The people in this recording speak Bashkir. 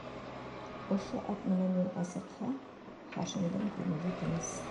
Ошо ат менән юлға сыҡһа, Хашимдың күңеле тыныс.